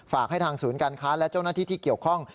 ฝากให้ทางศูนย์การค้าและเจ้าหน้าที่ที่เกี่ยวข้อง